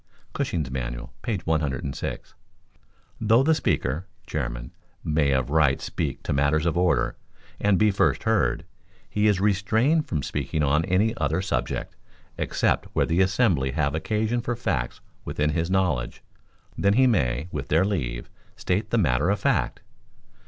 [Cushing's Manual, page 106.] "Though the Speaker [chairman] may of right speak to matters of order and be first heard, he is restrained from speaking on any other subject except where the assembly have occasion for facts within his knowledge; then he may, with their leave, state the matter of fact."